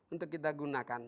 untuk kita gunakan